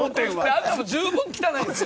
あんたも十分汚いんですよ。